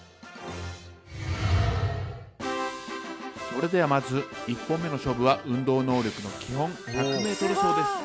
それではまず１本目の勝負は運動能力の基本１００ｍ走です。